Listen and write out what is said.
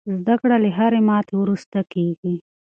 زده کړه له هرې ماتې وروسته کېږي.